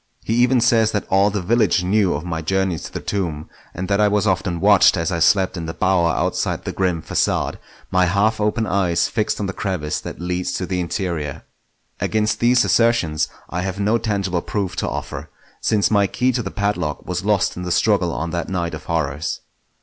He even says that all the village knew of my journeys to the tomb, and that I was often watched as I slept in the bower outside the grim facade, my half open eyes fixed on the crevice that leads to the interior. Against these assertions I have no tangible proof to offer, since my key to the padlock was lost in the struggle on that night of horrors.